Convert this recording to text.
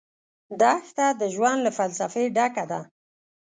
دښته د ژوند له فلسفې ډکه ده.